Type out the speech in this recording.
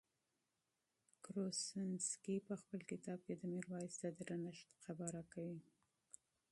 کروسنسکي په خپل کتاب کې د میرویس د درنښت خبره کوي.